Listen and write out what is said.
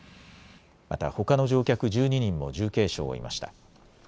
また、ほかの乗客１２人も重軽傷を負いました。